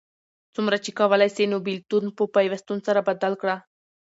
څومره چی کولای سې نو بیلتون په پیوستون سره بدل کړه